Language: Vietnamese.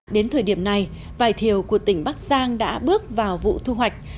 đến thời điểm này vải thiều của tỉnh bắc giang đã bước vào vụ thu hoạch